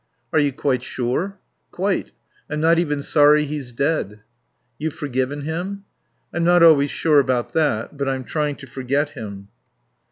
"Are you quite sure?" "Quite. I'm not even sorry he's dead." "You've forgiven him?" "I'm not always sure about that. But I'm trying to forget him."